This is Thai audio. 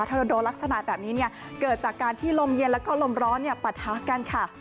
โรโดลักษณะแบบนี้เกิดจากการที่ลมเย็นแล้วก็ลมร้อนปะทะกันค่ะ